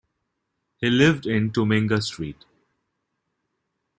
He lived in Toominga street.